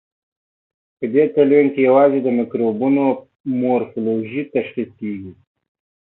په دې تلوین کې یوازې د مکروبونو مورفولوژي تشخیص کیږي.